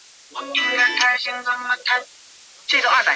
动脉粥样硬化是已开发国家排名第一的致死与致残疾病。